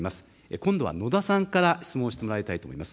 今度は野田さんから質問してもらいたいと思います。